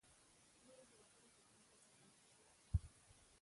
په نورو هیوادونو کې هم داسې خلک شته.